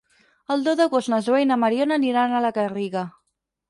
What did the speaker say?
El deu d'agost na Zoè i na Mariona aniran a la Garriga.